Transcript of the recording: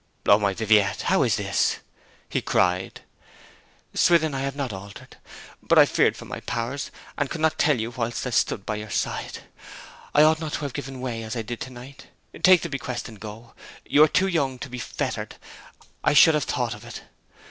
'O, my Viviette, how is this!' he cried. 'Swithin, I have not altered. But I feared for my powers, and could not tell you whilst I stood by your side. I ought not to have given way as I did to night. Take the bequest, and go. You are too young to be fettered I should have thought of it!